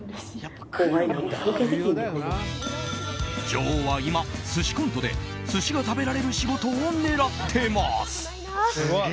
女王は今、寿司コントで寿司が食べられる仕事を狙ってます！